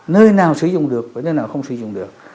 nơi nào sử dụng được và nơi nào không sử dụng được